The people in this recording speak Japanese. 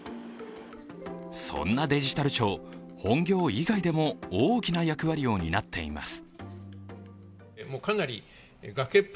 そんなデジタル庁、本業以外でも大きな役割を担っています。